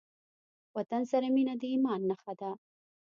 وطن سره مينه د ايمان نښه ده.